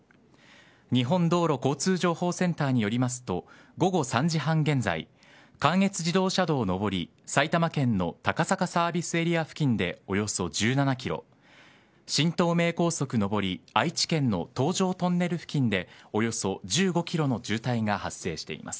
日本道路交通情報センターによりますと午後３時半現在関越自動車道上り埼玉県の高坂サービスエリア付近でおよそ１７ｋｍ新東名高速上り愛知県の東上トンネル付近でおよそ１５ｋｍの渋滞が発生しています。